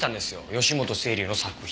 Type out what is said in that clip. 義本青流の作品。